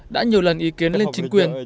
đã nhiều lần ý kiến lên chính quyền